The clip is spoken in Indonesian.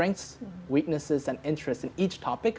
dari kekuatan kelemahan dan keinginan dalam setiap topik